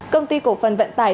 công ty cổ phần vận tải